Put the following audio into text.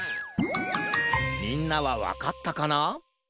みんなはわかったかな？